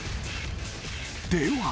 ［では］